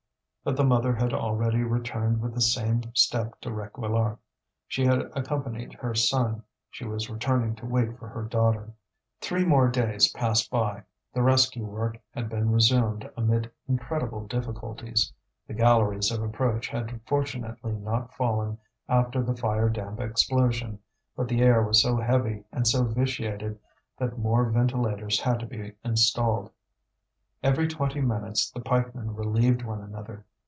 But the mother had already returned with the same step to Réquillart; she had accompanied her son, she was returning to wait for her daughter. Three more days passed by. The rescue work had been resumed amid incredible difficulties. The galleries of approach had fortunately not fallen after the fire damp explosion; but the air was so heavy and so vitiated that more ventilators had to be installed. Every twenty minutes the pikemen relieved one another.